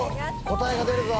答えが出るぞ。